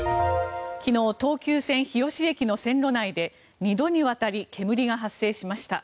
昨日、東急線日吉駅の線路内で２度にわたり煙が発生しました。